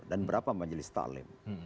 dan berapa majelis taklim